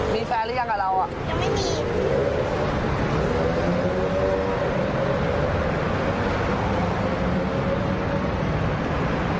มีแฟนหรือยังกับเราอ่ะยังไม่มี